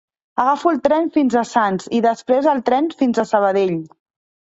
Agafo el tren fins a Sants i després el tren fins a Sabadell.